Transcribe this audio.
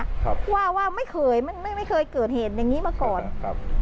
ครับว่าว่าไม่เคยไม่ไม่เคยเกิดเหตุอย่างงี้มาก่อนครับ